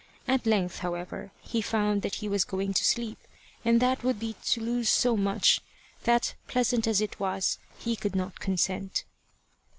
At length, however, he found that he was going to sleep, and that would be to lose so much, that, pleasant as it was, he could not consent.